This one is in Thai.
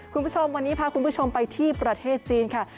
คุณผู้ชมวันนี้พาคุณผู้ชมไปที่ประเทศจีนค่ะ